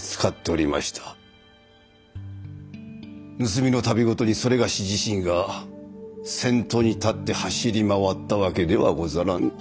盗みの度ごとに某自身が先頭に立って走り回った訳ではござらぬ。